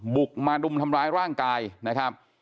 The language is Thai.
บุกมารุมทำร้ายร่างกายนะครับ